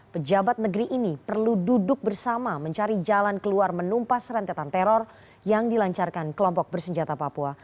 pejabat negeri ini perlu duduk bersama mencari jalan keluar menumpas rentetan teror yang dilancarkan kelompok bersenjata papua